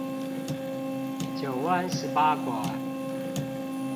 九彎十八拐